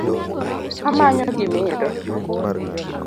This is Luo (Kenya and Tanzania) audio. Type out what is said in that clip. Amanyo gimiro